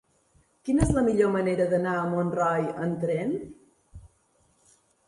Quina és la millor manera d'anar a Montroi amb tren?